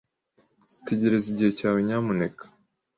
Tegereza igihe cyawe, nyamuneka.